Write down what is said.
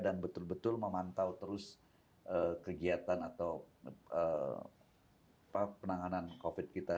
betul betul memantau terus kegiatan atau penanganan covid kita